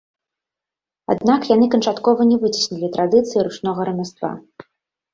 Аднак яны канчаткова не выцеснілі традыцыі ручнога рамяства.